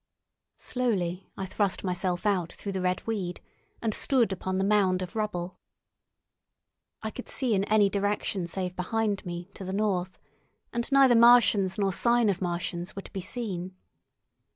Slowly I thrust myself out through the red weed, and stood upon the mound of rubble. I could see in any direction save behind me, to the north, and neither Martians nor sign of Martians were to be seen.